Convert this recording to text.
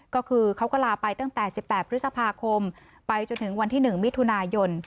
ก็คือเขาก็ลาไปตั้งแต่๑๘พฤษภาคมไปจนถึงวันที่๑มิถุนายน